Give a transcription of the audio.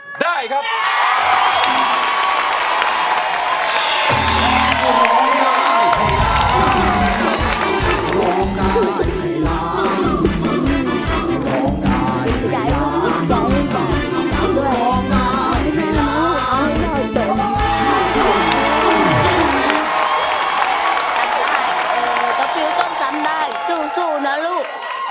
กาฟิวต้องจำได้ถูนะลูก